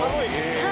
はい。